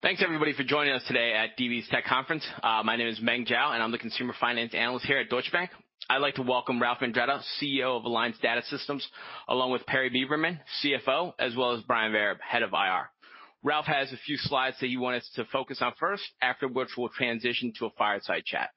Thanks everybody for joining us today at Deutsche Bank's Tech Conference. My name is Meng Jiao, and I'm the Consumer Finance Analyst here at Deutsche Bank. I'd like to welcome Ralph Andretta, CEO of Alliance Data Systems, along with Perry Beberman, CFO, as well as Brian Vereb, Head of IR. Ralph has a few slides that he want us to focus on first, after which we'll transition to a fireside chat.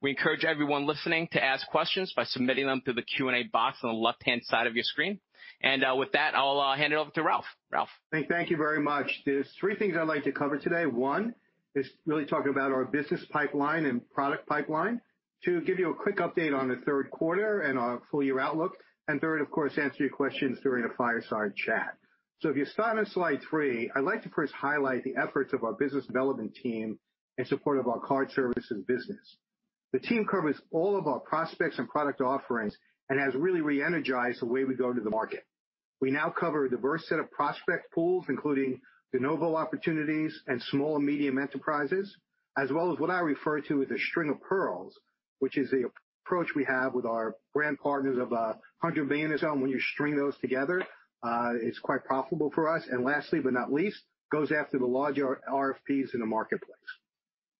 We encourage everyone listening to ask questions by submitting them through the Q&A box on the left-hand side of your screen. With that, I'll hand it over to Ralph. Ralph. Thank you very much. There's 3 things I'd like to cover today. 1 is really talking about our business pipeline and product pipeline. 2, give you a quick update on the third quarter and our full-year outlook. And third, of course, answer your questions during a fireside chat. If you start on slide 3, I'd like to first highlight the efforts of our business development team in support of our Card Services business. The team covers all of our prospects and product offerings and has really re-energized the way we go to the market. We now cover a diverse set of prospect pools, including de novo opportunities and small and medium enterprises, as well as what I refer to as a string of pearls, which is the approach we have with our brand partners of $100 million. When you string those together, it's quite profitable for us. Lastly, but not least, goes after the large RFPs in the marketplace.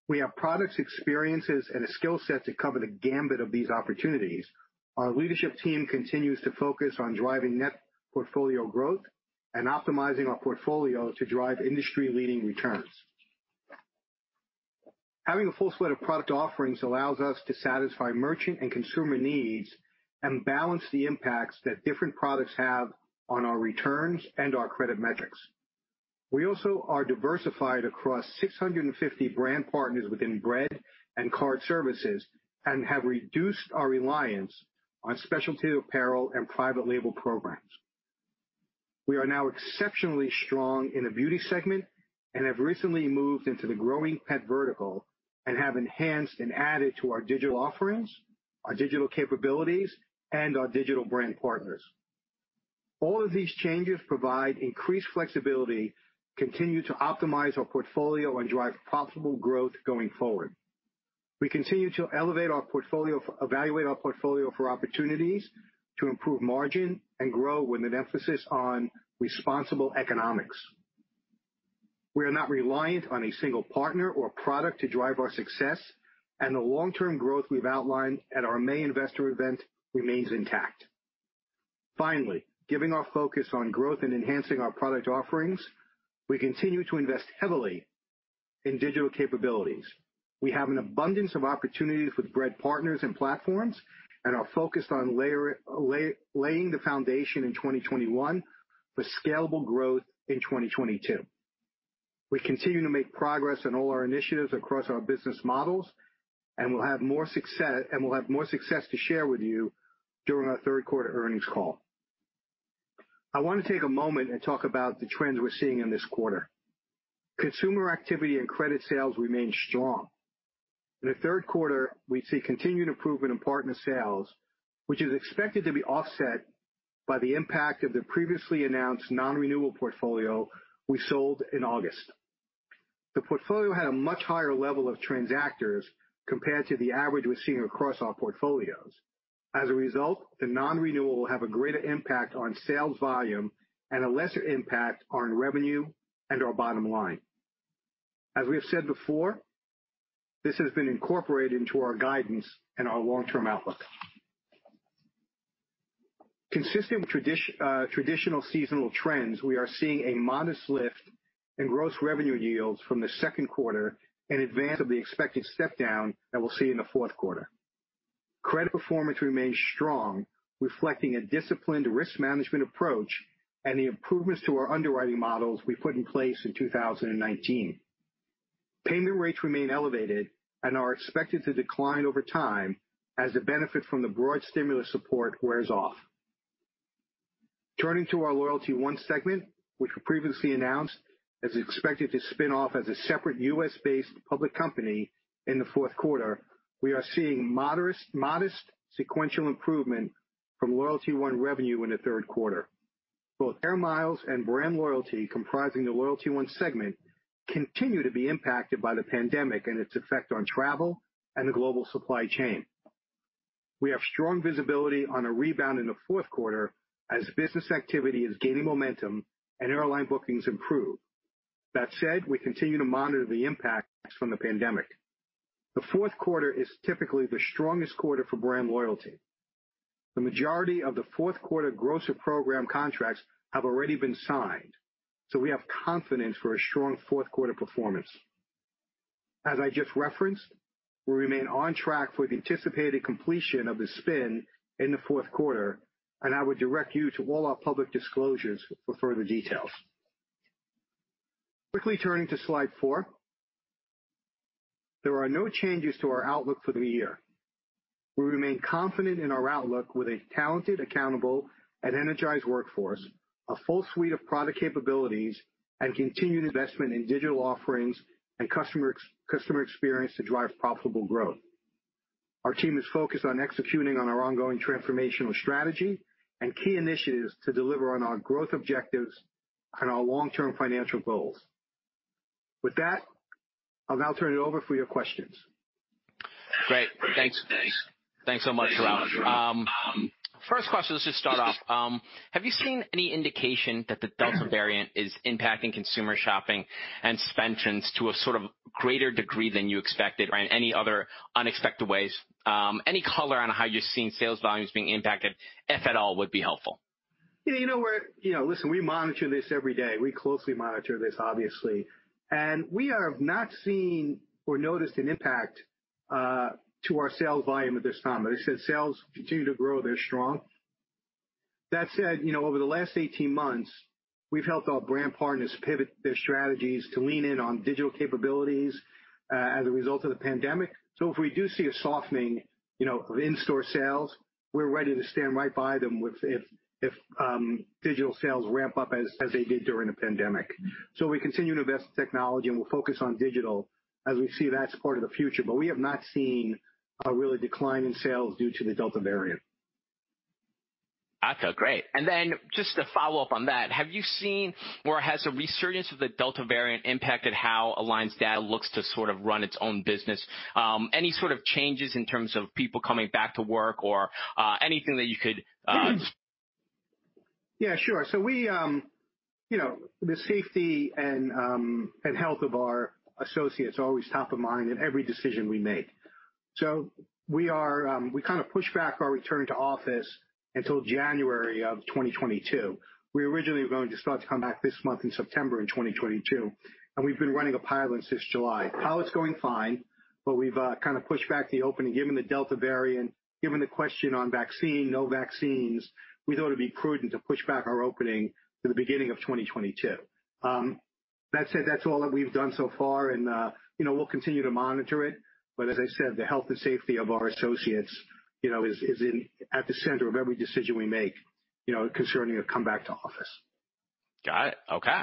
We have products, experiences, and a skill set to cover the gamut of these opportunities. Our leadership team continues to focus on driving net portfolio growth and optimizing our portfolio to drive industry-leading returns. Having a full suite of product offerings allows us to satisfy merchant and consumer needs and balance the impacts that different products have on our returns and our credit metrics. We also are diversified across 650 brand partners within Bread and Card Services and have reduced our reliance on specialty apparel and private label programs. We are now exceptionally strong in the beauty segment and have recently moved into the growing pet vertical and have enhanced and added to our digital offerings, our digital capabilities, and our digital brand partners. All of these changes provide increased flexibility, continue to optimize our portfolio, and drive profitable growth going forward. We continue to evaluate our portfolio for opportunities to improve margin and grow with an emphasis on responsible economics. We are not reliant on a single partner or product to drive our success, and the long-term growth we've outlined at our May investor event remains intact. Finally, given our focus on growth and enhancing our product offerings, we continue to invest heavily in digital capabilities. We have an abundance of opportunities with Bread partners and platforms and are focused on laying the foundation in 2021 for scalable growth in 2022. We continue to make progress on all our initiatives across our business models, and we'll have more success to share with you during our third quarter earnings call. I want to take a moment and talk about the trends we're seeing in this quarter. Consumer activity and credit sales remain strong. In the third quarter, we see continued improvement in partner sales, which is expected to be offset by the impact of the previously announced non-renewal portfolio we sold in August. The portfolio had a much higher level of transactors compared to the average we're seeing across our portfolios. As a result, the non-renewal will have a greater impact on sales volume and a lesser impact on revenue and our bottom line. As we have said before, this has been incorporated into our guidance and our long-term outlook. Consistent with traditional seasonal trends, we are seeing a modest lift in gross revenue yields from the second quarter in advance of the expected step down that we'll see in the fourth quarter. Credit performance remains strong, reflecting a disciplined risk management approach and the improvements to our underwriting models we put in place in 2019. Payment rates remain elevated and are expected to decline over time as the benefit from the broad stimulus support wears off. Turning to our LoyaltyOne segment, which we previously announced is expected to spin off as a separate U.S.-based public company in the fourth quarter, we are seeing modest sequential improvement from LoyaltyOne revenue in the third quarter. Both AIR MILES and BrandLoyalty comprising the LoyaltyOne segment continue to be impacted by the pandemic and its effect on travel and the global supply chain. We have strong visibility on a rebound in the fourth quarter as business activity is gaining momentum and airline bookings improve. That said, we continue to monitor the impacts from the pandemic. The fourth quarter is typically the strongest quarter for BrandLoyalty. The majority of the fourth quarter grocer program contracts have already been signed. We have confidence for a strong fourth quarter performance. As I just referenced, we remain on track for the anticipated completion of the spin in the fourth quarter. I would direct you to all our public disclosures for further details. Quickly turning to slide 4, there are no changes to our outlook for the year. We remain confident in our outlook with a talented, accountable, and energized workforce, a full suite of product capabilities, and continued investment in digital offerings and customer experience to drive profitable growth. Our team is focused on executing on our ongoing transformational strategy and key initiatives to deliver on our growth objectives and our long-term financial goals. With that, I'll now turn it over for your questions. Great. Thanks. Thanks so much, Ralph. First question, let's just start off. Have you seen any indication that the Delta variant is impacting consumer shopping and spend trends to a sort of greater degree than you expected, or in any other unexpected ways? Any color on how you're seeing sales volumes being impacted, if at all, would be helpful. Listen, we monitor this every day. We closely monitor this, obviously. We have not seen or noticed an impact to our sales volume at this time. Like I said, sales continue to grow. They're strong. That said, over the last 18 months, we've helped our brand partners pivot their strategies to lean in on digital capabilities as a result of the pandemic. If we do see a softening of in-store sales, we're ready to stand right by them if digital sales ramp up as they did during the pandemic. We continue to invest in technology, and we're focused on digital, as we see that's part of the future. We have not seen a really decline in sales due to the Delta variant. Okay, great. Just to follow up on that, have you seen or has the resurgence of the Delta variant impacted how Alliance Data looks to sort of run its own business? Any sort of changes in terms of people coming back to work or anything that you could? Yeah, sure. The safety and health of our associates are always top of mind in every decision we make. We kind of pushed back our return to office until January of 2022. We originally were going to start to come back this month in September in 2022, and we've been running a pilot since July. Pilot's going fine, but we've kind of pushed back the opening. Given the Delta variant, given the question on vaccine, no vaccines, we thought it'd be prudent to push back our opening to the beginning of 2022. That said, that's all that we've done so far, and we'll continue to monitor it. As I said, the health and safety of our associates is at the center of every decision we make concerning a come back to office. Got it. Okay.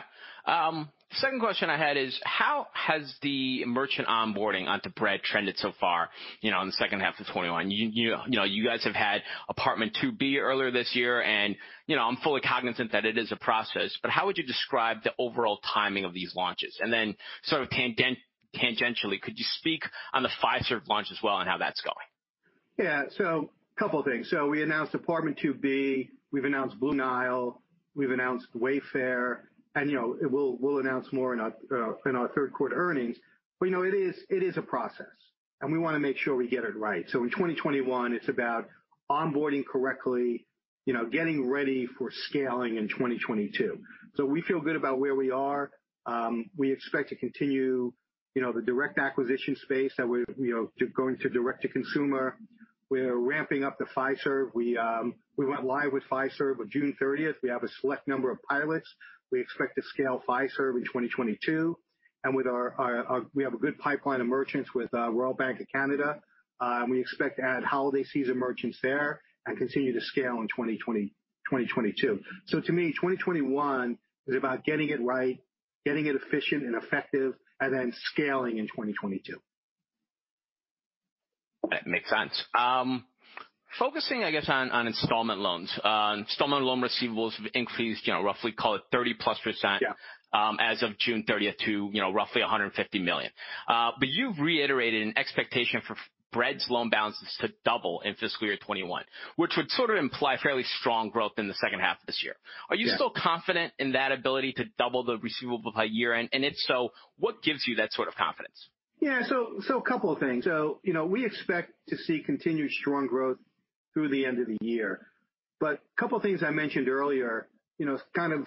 Second question I had is how has the merchant onboarding onto Bread trended so far in the second half of 2021? You guys have had Apt2B earlier this year, and I'm fully cognizant that it is a process, but how would you describe the overall timing of these launches? Sort of tangentially, could you speak on the Fiserv launch as well and how that's going? Yeah. A couple of things. We announced Apt2B, we've announced Blue Nile, we've announced Wayfair, and we'll announce more in our third-quarter earnings. It is a process, and we want to make sure we get it right. In 2021, it's about onboarding correctly, getting ready for scaling in 2022. We feel good about where we are. We expect to continue the direct acquisition space that we're going to direct-to-consumer. We're ramping up the Fiserv. We went live with Fiserv on June 30th. We have a select number of pilots. We expect to scale Fiserv in 2022. We have a good pipeline of merchants with Royal Bank of Canada. We expect to add holiday season merchants there and continue to scale in 2022. To me, 2021 is about getting it right, getting it efficient and effective, and then scaling in 2022. That makes sense. Focusing, I guess, on installment loans. Installment loan receivables have increased roughly, call it +30%. Yeah. As of June 30th to roughly $150 million. You've reiterated an expectation for Bread's loan balances to double in fiscal year 2021, which would sort of imply fairly strong growth in the second half of this year. Yeah. Are you still confident in that ability to double the receivable by year-end? If so, what gives you that sort of confidence? Yeah. A couple of things. We expect to see continued strong growth through the end of the year. A couple of things I mentioned earlier kind of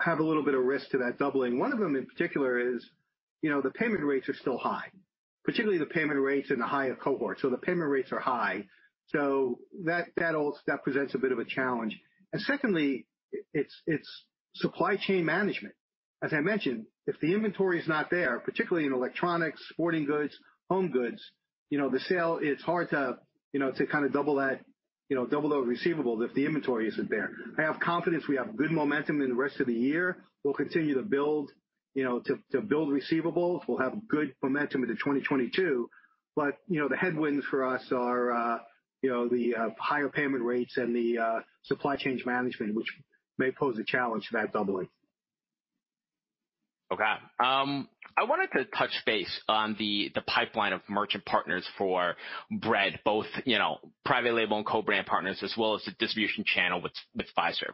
have a little bit of risk to that doubling. One of them in particular is the payment rates are still high, particularly the payment rates in the higher cohort. The payment rates are high. That presents a bit of a challenge. Secondly, it's supply chain management. As I mentioned, if the inventory is not there, particularly in electronics, sporting goods, home goods, it's hard to kind of double those receivables if the inventory isn't there. I have confidence we have good momentum in the rest of the year. We'll continue to build receivables. We'll have good momentum into 2022, but the headwinds for us are the higher payment rates and the supply chains management, which may pose a challenge to that doubling. Okay. I wanted to touch base on the pipeline of merchant partners for Bread, both private label and co-brand partners, as well as the distribution channel with Fiserv.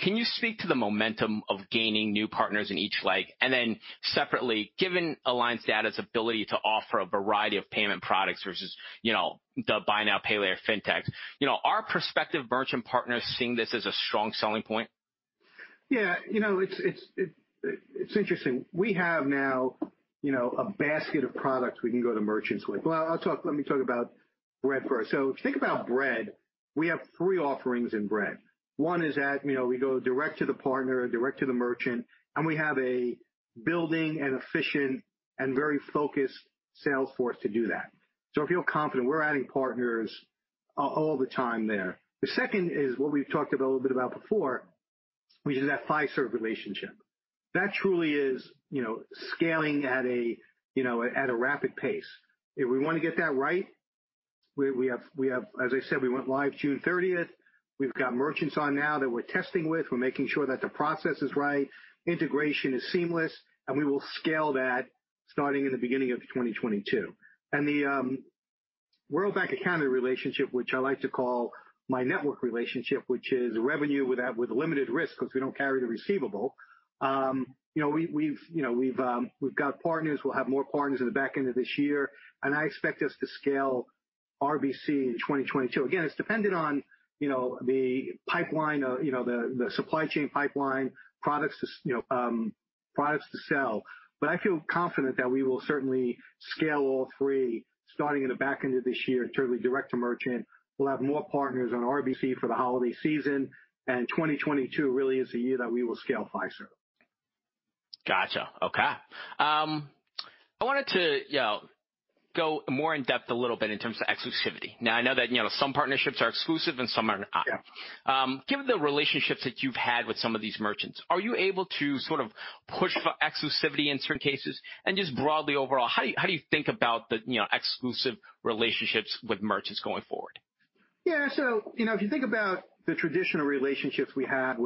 Can you speak to the momentum of gaining new partners in each leg? Then separately, given Alliance Data's ability to offer a variety of payment products versus the buy now, pay later fintechs, are prospective merchant partners seeing this as a strong selling point? It's interesting. We have now a basket of products we can go to merchants with. Let me talk about Bread first. If you think about Bread, we have 3 offerings in Bread. One is that we go direct to the partner or direct to the merchant, and we have a building and efficient and very focused sales force to do that. I feel confident. We're adding partners all the time there. The second is what we've talked a little bit about before, which is that Fiserv relationship. That truly is scaling at a rapid pace. If we want to get that right. As I said, we went live June 30th. We've got merchants on now that we're testing with. We're making sure that the process is right, integration is seamless, and we will scale that starting in the beginning of 2022. The RBC account relationship, which I like to call my network relationship, which is revenue with limited risk because we don't carry the receivable. We've got partners, we'll have more partners in the back end of this year, and I expect us to scale RBC in 2022. Again, it's dependent on the supply chain pipeline, products to sell. I feel confident that we will certainly scale all three starting in the back end of this year, certainly direct to merchant. We'll have more partners on RBC for the holiday season, and 2022 really is the year that we will scale Fiserv. Got you. Okay. I wanted to go more in depth a little bit in terms of exclusivity. I know that some partnerships are exclusive and some are not. Yeah. Given the relationships that you've had with some of these merchants, are you able to sort of push for exclusivity in certain cases? Just broadly overall, how do you think about the exclusive relationships with merchants going forward? Yeah. If you think about the traditional relationships we had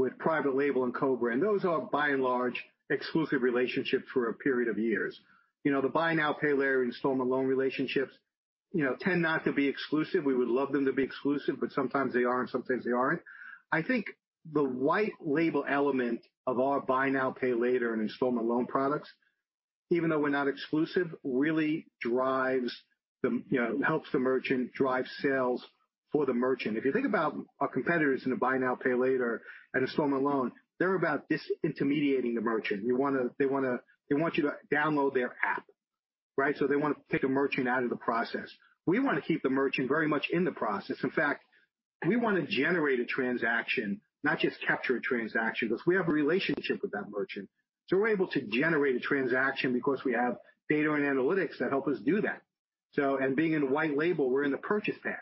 with private label and co-brand, those are by and large exclusive relationships for a period of years. The buy now, pay later installment loan relationships tend not to be exclusive. We would love them to be exclusive, sometimes they are and sometimes they aren't. I think the white label element of our buy now, pay later and installment loan products, even though we're not exclusive, really helps the merchant drive sales for the merchant. If you think about our competitors in the Buy Now, Pay Later and installment loan, they're about disintermediating the merchant. They want you to download their app, right? They want to take a merchant out of the process. We want to keep the merchant very much in the process. In fact, we want to generate a transaction, not just capture a transaction, because we have a relationship with that merchant. We're able to generate a transaction because we have data and analytics that help us do that. Being in white label, we're in the purchase path,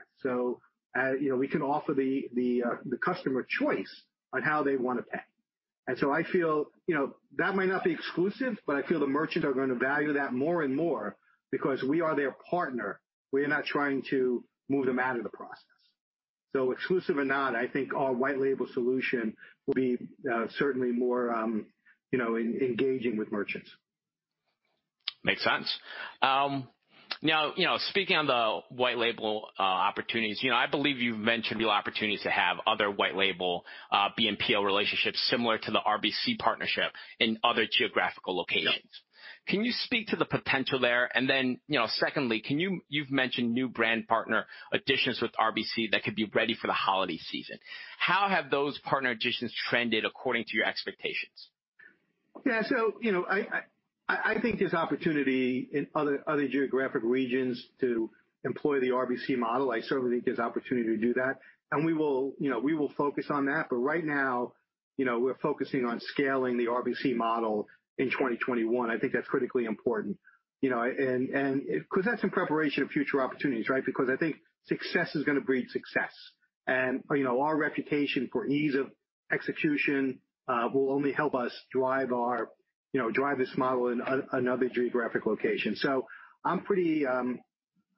so we can offer the customer choice on how they want to pay. I feel that might not be exclusive, but I feel the merchants are going to value that more and more because we are their partner. We are not trying to move them out of the process. Exclusive or not, I think our white label solution will be certainly more engaging with merchants. Makes sense. Speaking on the white label opportunities, I believe you've mentioned real opportunities to have other white label BNPL relationships similar to the RBC partnership in other geographical locations. Yeah. Can you speak to the potential there? Secondly, you've mentioned new brand partner additions with RBC that could be ready for the holiday season. How have those partner additions trended according to your expectations? I think there's opportunity in other geographic regions to employ the RBC model. I certainly think there's opportunity to do that, and we will focus on that. Right now, we're focusing on scaling the RBC model in 2021. I think that's critically important because that's in preparation of future opportunities, right? Because I think success is going to breed success. Our reputation for ease of execution will only help us drive this model in another geographic location.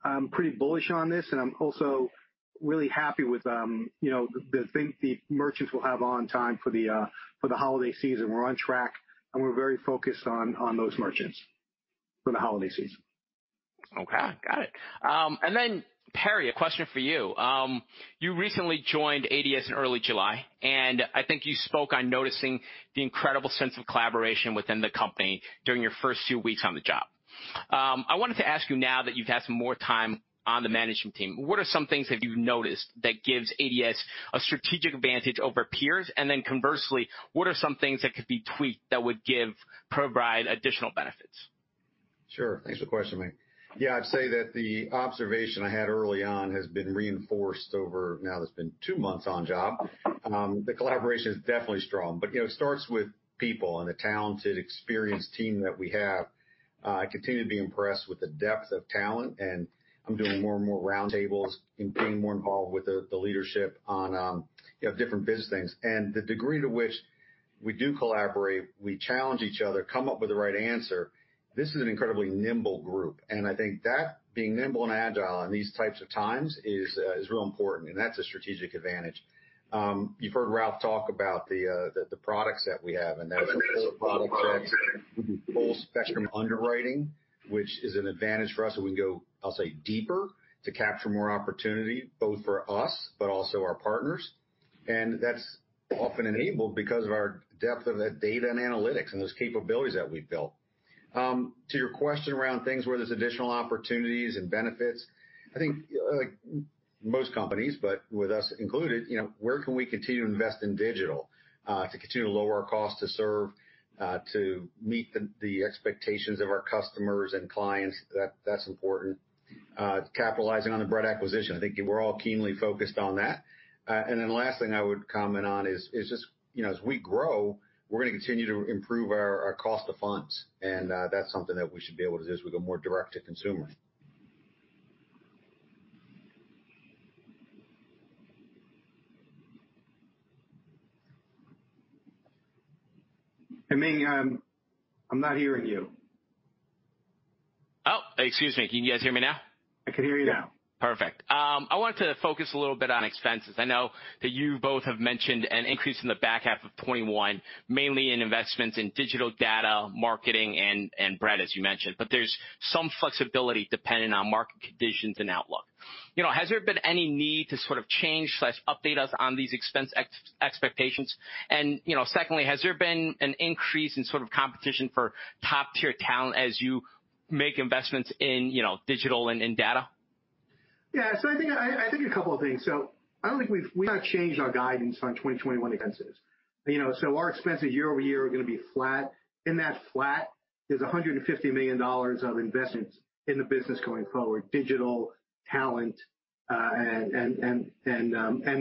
I'm pretty bullish on this, and I'm also really happy with the merchants we'll have on time for the holiday season. We're on track, and we're very focused on those merchants for the holiday season. Okay. Got it. Perry, a question for you. You recently joined ADS in early July, and I think you spoke on noticing the incredible sense of collaboration within the company during your first 2 weeks on the job. I wanted to ask you now that you've had some more time on the management team, what are some things that you've noticed that gives ADS a strategic advantage over peers? Conversely, what are some things that could be tweaked that would provide additional benefits? Sure. Thanks for the question, mate. Yeah, I'd say that the observation I had early on has been reinforced over now that it's been two months on job. The collaboration is definitely strong. It starts with people and the talented, experienced team that we have. I continue to be impressed with the depth of talent, and I'm doing more and more roundtables and being more involved with the leadership on different business things. The degree to which we do collaborate, we challenge each other, come up with the right answer. This is an incredibly nimble group, and I think that being nimble and agile in these types of times is real important, and that's a strategic advantage. You've heard Ralph talk about the products that we have, and that's a full product set with the full spectrum underwriting, which is an advantage for us, and we can go, I'll say, deeper to capture more opportunity both for us but also our partners. That's often enabled because of our depth of that data and analytics and those capabilities that we've built. To your question around things where there's additional opportunities and benefits, I think like most companies, but with us included, where can we continue to invest in digital to continue to lower our cost to serve to meet the expectations of our customers and clients? Capitalizing on the Bread acquisition, I think we're all keenly focused on that. Last thing I would comment on is just as we grow, we're going to continue to improve our cost of funds, and that's something that we should be able to do as we go more direct-to-consumer. Meng, I'm not hearing you. Oh, excuse me. Can you guys hear me now? I can hear you now. Perfect. I wanted to focus a little bit on expenses. I know that you both have mentioned an increase in the back half of 2021, mainly in investments in digital data marketing and Bread, as you mentioned. There's some flexibility depending on market conditions and outlook. Has there been any need to sort of change/update us on these expense expectations? And secondly, has there been an increase in sort of competition for top-tier talent as you make investments in digital and in data? Yeah. I think a couple of things. I don't think we've changed our guidance on 2021 expenses. Our expenses year-over-year are going to be flat. In that flat is $150 million of investments in the business going forward, digital talent and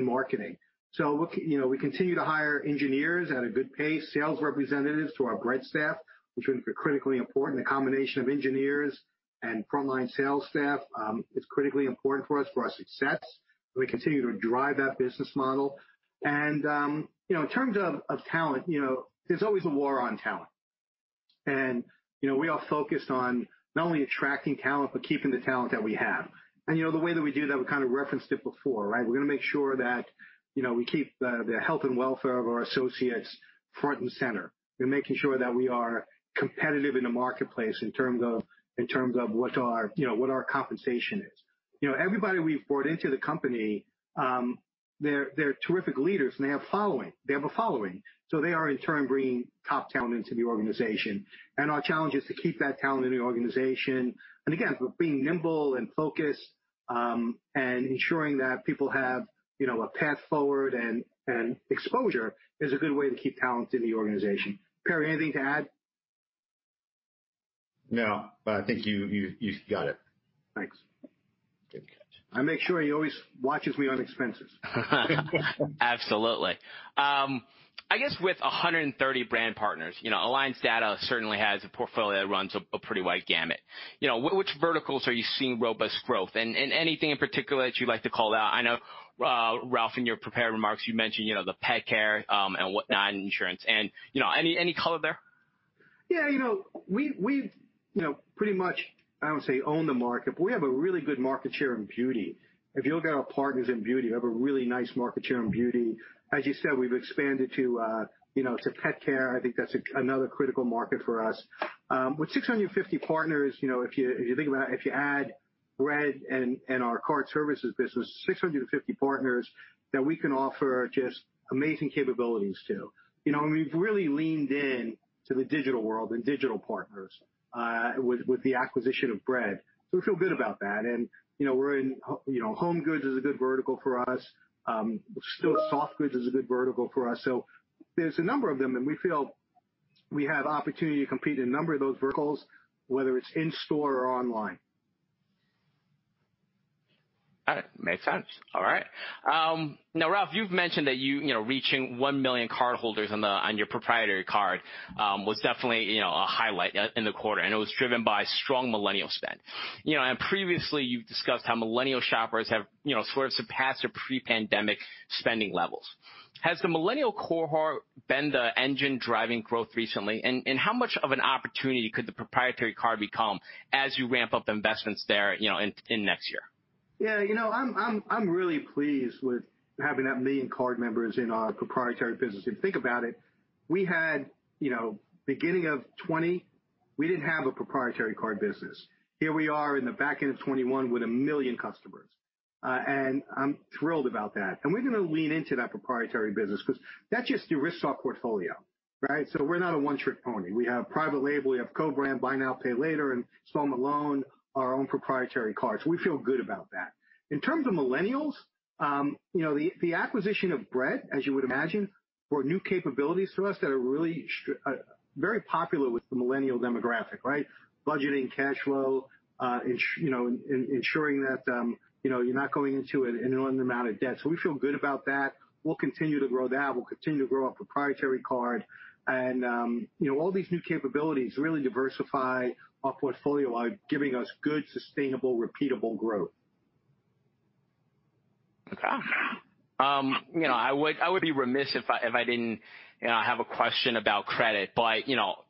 marketing. We continue to hire engineers at a good pace, sales representatives to our Bread staff, which are critically important. The combination of engineers and frontline sales staff is critically important for us for our success. We continue to drive that business model. In terms of talent, there's always a war on talent. We are focused on not only attracting talent but keeping the talent that we have. The way that we do that, we kind of referenced it before, right? We're going to make sure that we keep the health and welfare of our associates front and center. We're making sure that we are competitive in the marketplace in terms of what our compensation is. Everybody we've brought into the company, they're terrific leaders, and they have a following. They are in turn bringing top talent into the organization. Our challenge is to keep that talent in the organization. Again, being nimble and focused, and ensuring that people have a path forward and exposure is a good way to keep talent in the organization. Perry, anything to add? No. I think you got it. Thanks. Good catch. I make sure he always watches me on expenses. Absolutely. I guess with 130 brand partners, Bread Financial certainly has a portfolio that runs a pretty wide gamut. Which verticals are you seeing robust growth in? Anything in particular that you'd like to call out? I know, Ralph, in your prepared remarks, you mentioned the pet care and whatnot, and insurance. Any color there? We pretty much, I don't want to say own the market, but we have a really good market share in beauty. If you look at our partners in beauty, we have a really nice market share in beauty. As you said, we've expanded to pet care. I think that's another critical market for us. With 650 partners, if you think about it, if you add Bread and our Card Services business, 650 partners that we can offer just amazing capabilities to. We've really leaned in to the digital world and digital partners with the acquisition of Bread. We feel good about that. Home goods is a good vertical for us. Still soft goods is a good vertical for us. There's a number of them, and we feel we have opportunity to compete in a number of those verticals, whether it's in-store or online. Got it. Makes sense. All right. Now, Ralph, you've mentioned that reaching 1 million cardholders on your proprietary card was definitely a highlight in the quarter, and it was driven by strong millennial spend. Previously, you've discussed how millennial shoppers have sort of surpassed their pre-pandemic spending levels. Has the millennial cohort been the engine driving growth recently? How much of an opportunity could the proprietary card become as you ramp up investments there in next year? I'm really pleased with having that 1 million card members in our proprietary business. If you think about it, we had beginning of 2020, we didn't have a proprietary card business. Here we are in the back end of 2021 with 1 million customers. I'm thrilled about that. We're going to lean into that proprietary business because that's just derisked our portfolio, right? We're not a one-trick pony. We have private label, we have co-brand, buy now, pay later, installment loan, our own proprietary card. We feel good about that. In terms of millennials, the acquisition of Bread, as you would imagine, brought new capabilities to us that are really very popular with the millennial demographic, right, budgeting, cash flow ensuring that you're not going into an unknown amount of debt. We'll continue to grow that. We'll continue to grow our proprietary card. All these new capabilities really diversify our portfolio, are giving us good, sustainable, repeatable growth. Okay. I would be remiss if I didn't have a question about credit.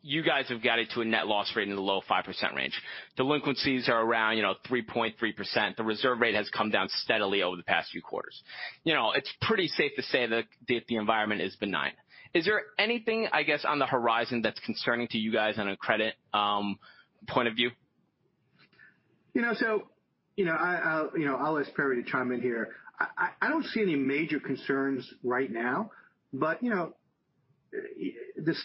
You guys have got it to a net loss rate in the low 5% range. Delinquencies are around 3.3%. The reserve rate has come down steadily over the past few quarters. It's pretty safe to say that the environment is benign. Is there anything, I guess, on the horizon that's concerning to you guys on a credit point of view? I'll ask Perry to chime in here. I don't see any major concerns right now, but the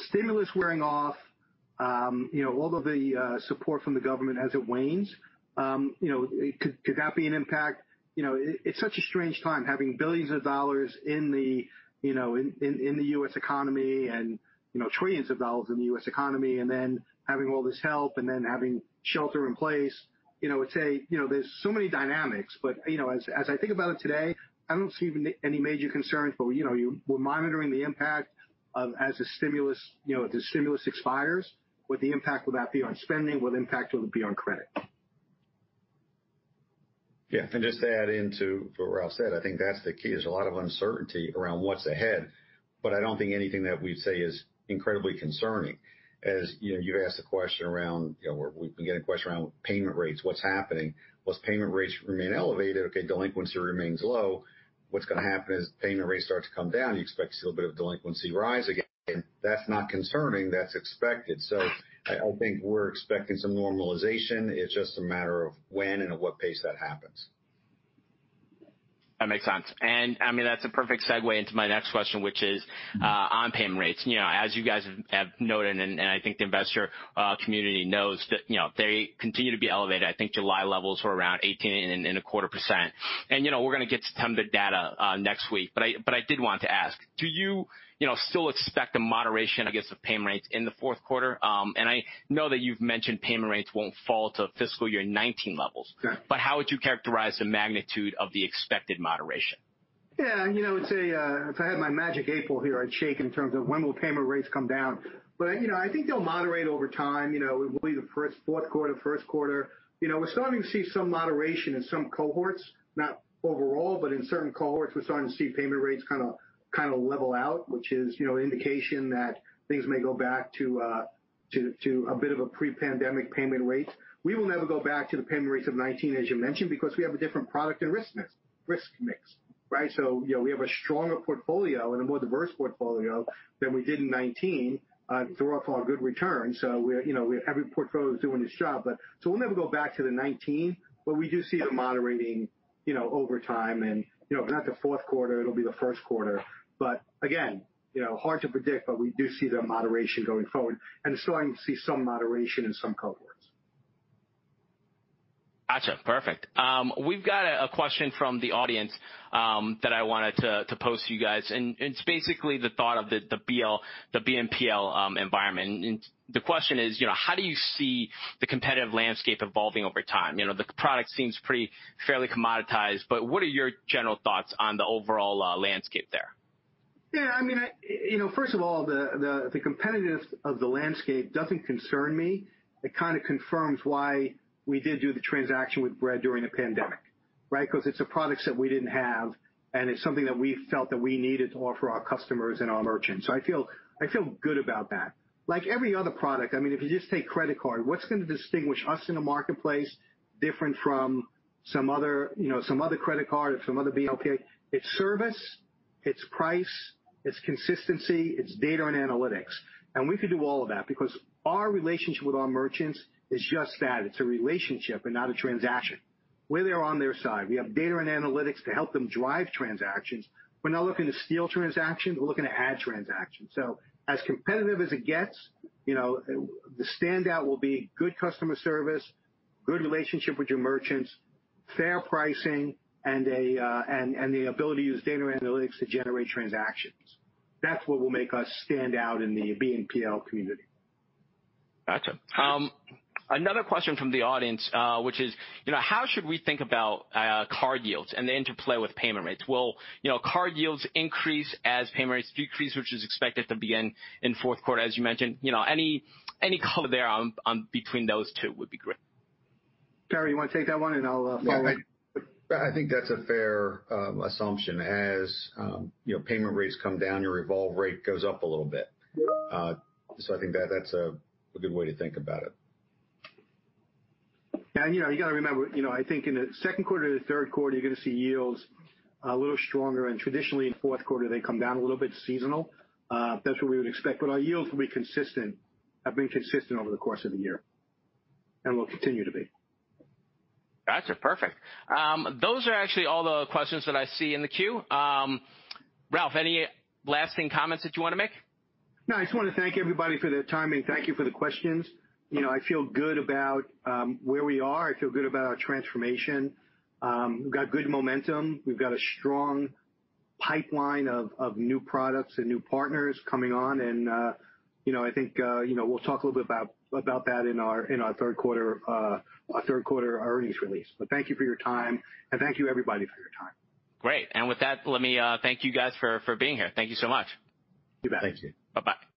stimulus wearing off, all of the support from the government as it wanes could that be an impact? It's such a strange time, having billions of dollars in the U.S. economy and trillions of dollars in the U.S. economy, and then having all this help and then having shelter in place. There's so many dynamics, but as I think about it today, I don't see any major concerns. We're monitoring the impact as the stimulus expires. What the impact will that be on spending? What impact will it be on credit? Yeah. Just to add into what Ralph said, I think that's the key. There's a lot of uncertainty around what's ahead, but I don't think anything that we'd say is incredibly concerning. You've asked the question around, we've been getting a question around payment rates. What's happening? Well, as payment rates remain elevated, okay, delinquency remains low. What's going to happen as payment rates start to come down, you expect to see a little bit of delinquency rise again. That's not concerning. That's expected. I think we're expecting some normalization. It's just a matter of when and at what pace that happens. That makes sense. That's a perfect segue into my next question, which is on payment rates. As you guys have noted, I think the investor community knows that they continue to be elevated. I think July levels were around 18.25%. We're going to get some of the data next week. I did want to ask, do you still expect a moderation, I guess, of payment rates in the fourth quarter? I know that you've mentioned payment rates won't fall to fiscal year 2019 levels. Correct. How would you characterize the magnitude of the expected moderation? Yeah. If I had my magic eight ball here, I'd shake in terms of when will payment rates come down. I think they'll moderate over time. It will be the fourth quarter, first quarter. We are starting to see some moderation in some cohorts. Not overall, but in certain cohorts, we are starting to see payment rates kind of level out, which is indication that things may go back to a bit of a pre-pandemic payment rates. We will never go back to the payment rates of 2019, as you mentioned, because we have a different product and risk mix. We have a stronger portfolio and a more diverse portfolio than we did in 2019 to offer our good returns. Every portfolio is doing its job. We'll never go back to the 2019, we do see it moderating over time and if not the fourth quarter, it'll be the first quarter. Again, hard to predict, but we do see the moderation going forward. Starting to see some moderation in some cohorts. Got you. Perfect. We've got a question from the audience that I wanted to pose to you guys. It's basically the thought of the BNPL environment. The question is, how do you see the competitive landscape evolving over time? The product seems pretty fairly commoditized, but what are your general thoughts on the overall landscape there? Yeah. First of all, the competitiveness of the landscape doesn't concern me. It kind of confirms why we did do the transaction with Bread during the pandemic. It's a product set we didn't have, and it's something that we felt that we needed to offer our customers and our merchants. I feel good about that. Like every other product, if you just take credit card, what's going to distinguish us in a marketplace different from some other credit card or some other BNPL? It's service, it's price, it's consistency, it's data and analytics. We can do all of that because our relationship with our merchants is just that. It's a relationship and not a transaction. We're there on their side. We have data and analytics to help them drive transactions. We're not looking to steal transactions, we're looking to add transactions. As competitive as it gets, the standout will be good customer service, good relationship with your merchants, fair pricing, and the ability to use data and analytics to generate transactions. That's what will make us stand out in the BNPL community. Got you. Another question from the audience. How should we think about card yields and the interplay with payment rates? Will card yields increase as payment rates decrease, which is expected to begin in fourth quarter, as you mentioned? Any color there between those two would be great. Perry, you want to take that one and I'll follow? I think that's a fair assumption. As payment rates come down, your revolve rate goes up a little bit. I think that's a good way to think about it. You got to remember, I think in the second quarter to the third quarter, you're going to see yields a little stronger. Traditionally in fourth quarter, they come down a little bit seasonal. That's what we would expect. Our yields will be consistent, have been consistent over the course of the year and will continue to be. Got you. Perfect. Those are actually all the questions that I see in the queue. Ralph, any lasting comments that you want to make? I just want to thank everybody for their time, and thank you for the questions. I feel good about where we are. I feel good about our transformation. We've got good momentum. We've got a strong pipeline of new products and new partners coming on, and I think we'll talk a little bit about that in our third quarter earnings release. Thank you for your time, and thank you everybody for your time. Great. With that, let me thank you guys for being here. Thank you so much. You bet. Thanks. Bye-bye.